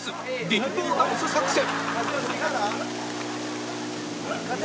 リンボーダンス作戦！